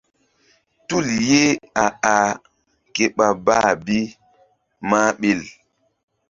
Tul ye a-ah ke ɓa bah bi mah ɓil.